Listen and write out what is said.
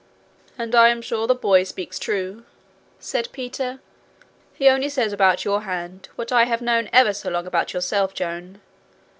'And I am sure the boy speaks true,' said Peter. 'He only says about your hand what I have known ever so long about yourself, Joan.